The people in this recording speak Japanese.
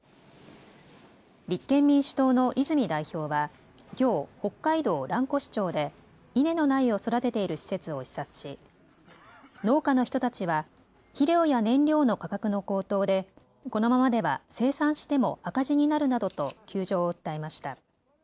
立憲民主党の泉代表はきょう北海道蘭越町で稲の苗を育てている施設を視察し農家の人たちは肥料や燃料の価格の高騰でこのままでは生産しても赤字になるなどと窮状を訴えました。